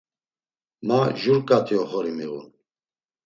Ma jur ǩat̆i oxori miğun.